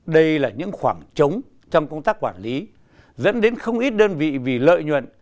đây là những khoảng trống trong công tác quản lý dẫn đến không ít đơn vị vì lợi nhuận